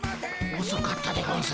おそかったでゴンス。